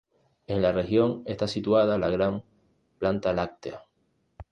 En la región está situada la gran planta láctea.